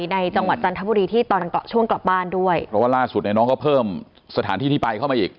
จังหวัดจันทบุรีที่ตอนเกาะช่วงกลับบ้านด้วยเพราะว่าล่าสุดเนี่ยน้องก็เพิ่มสถานที่ที่ไปเข้ามาอีก